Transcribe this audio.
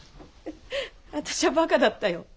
私はばかだったよ。